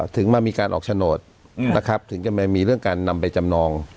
ถึงมามีการออกโฉนดนะครับถึงจะมีเรื่องการนำไปจำนอง